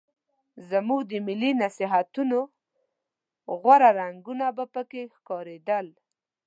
زموږ د ملي نصیحتونو غوره رنګونه به پکې ښکارېدل.